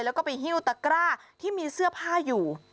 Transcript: แล้วก็ไปหิ้วตะกร้าที่มีเสื้อผ้าอยู่